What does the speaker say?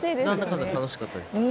かんだ楽しかったです。